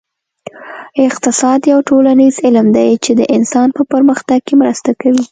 اقتصاد یو ټولنیز علم دی چې د انسان په پرمختګ کې مرسته کوي